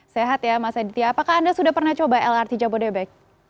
sehat ya mas aditya apakah anda sudah pernah coba lrt jabodebek